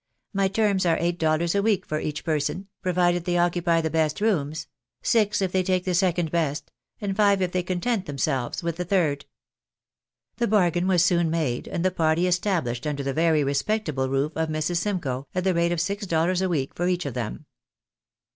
My terms are eight dollars a week for each person, provided they occupy the best rooms ; six if they take the second best ; and five if they content themselves with the third." The bargain was soon made, and the party established under the very respectable roof of Mrs. Simcoe, at the rate of six dollars a week for each of them.